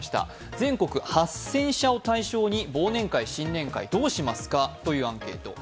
全国８０００社を対象に忘年会・新年会どうしますかというアンケートです。